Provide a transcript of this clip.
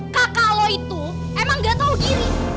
kakak lo itu emang gak tau diri